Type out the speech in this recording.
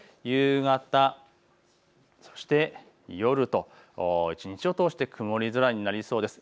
夕方、そして夜と一日を通して曇り空になりそうです。